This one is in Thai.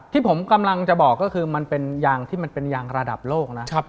ที่ผมกำลังจะบอกก็คือมันเป็นยางที่มันเป็นยางระดับโลกนะ